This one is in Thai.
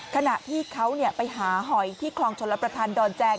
ขณะที่เขาเนี่ยไปหาหอยที่คลองชนรับประทานดอนแจง